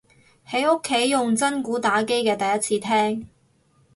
喺屋企用真鼓打機嘅第一次聽